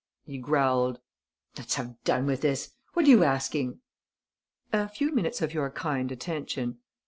He growled: "Let's have done with this. What are you asking?" "A few minutes of your kind attention."